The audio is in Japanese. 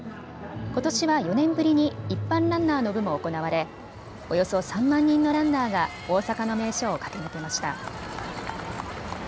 ことしは４年ぶりに一般ランナーの部も行われおよそ３万人のランナーが大阪の名所を駆け抜けました。